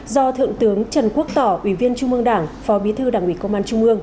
do thượng tướng trần quốc tỏ ủy viên trung mương đảng phó bí thư đảng ủy công an trung ương